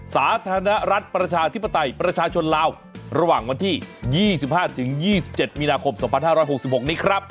สาธารณรัฐประชาธิปไตยประชาชนลาวระหว่างวันที่๒๕๒๗มีนาคม๒๕๖๖นี้ครับ